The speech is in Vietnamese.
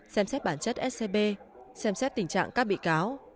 xem xét bản chất scb xem xét tình trạng các bị cáo